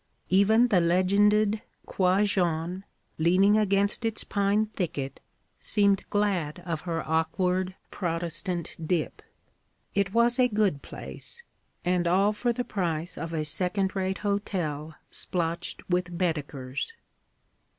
Even the legended 'Croix Jeanne,' leaning against its pine thicket, seemed glad of her awkward Protestant dip. It was a good place and all for the price of a second rate hotel splotched with Baedekers.